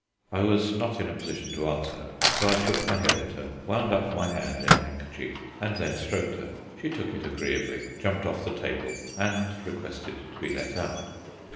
I was not in a position to answer her, so I shook my head at her, wound up my hand in a handkerchief, and then stroked her. She took it agreeably, jumped off the table, and requested to be let out.